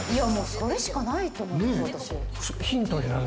それしかないと思う、私。